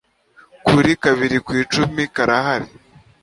kuri kabirikwicumi karahari